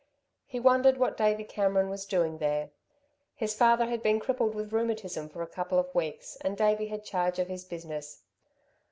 He wondered what Davey Cameron was doing there. His father had been crippled with rheumatism for a couple of weeks and Davey had charge of his business.